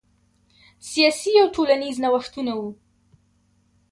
سیاسي او ټولنیز نوښتونه وو.